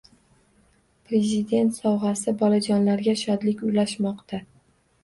“Prezident sovg‘asi” bolajonlarga shodlik ulashmoqda